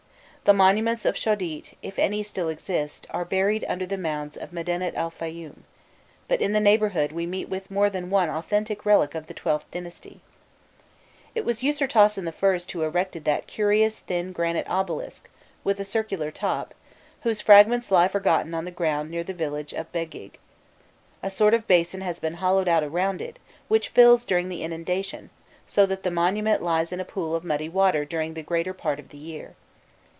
The monuments of Shodît, if any still exist, are buried under the mounds of Medinet el Fayûm, but in the neighbourhood we meet with more than one authentic relic of the XIIth dynasty. It was Usirtasen I. who erected that curious thin granite obelisk, with a circular top, whose fragments lie forgotten on the ground near the village of Begig: a sort of basin has been hollowed out around it, which fills during the inundation, so that the monument lies in a pool of muddy water during the greater part of the year.